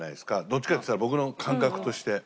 どっちかっていったら僕の感覚として。